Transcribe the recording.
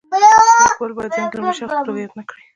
لیکوال باید ځان د لومړي شخص په توګه یاد نه کړي.